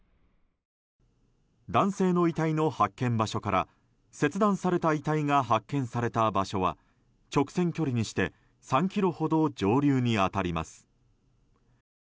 男性の遺体の発見場所から切断された遺体が発見された場所は直線距離にして３ｋｍほど上流に当たります。